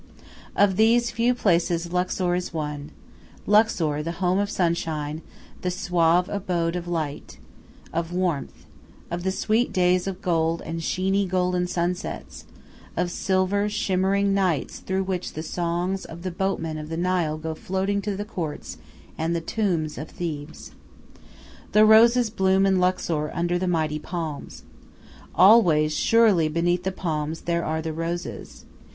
Of these few places Luxor is one Luxor the home of sunshine, the suave abode of light, of warmth, of the sweet days of gold and sheeny, golden sunsets, of silver, shimmering nights through which the songs of the boatmen of the Nile go floating to the courts and the tombs of Thebes. The roses bloom in Luxor under the mighty palms. Always surely beneath the palms there are the roses.